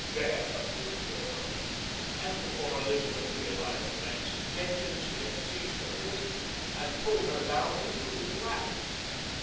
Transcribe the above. That's a good girl," and before Elizabeth realized the man's intentions he had seized her wrist and pulled her down into his lap.